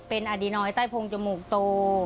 เป็นอดีน้อยใต้โพงจมูกโต